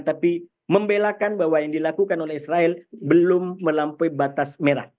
tapi membelakan bahwa yang dilakukan oleh israel belum melampaui batas merah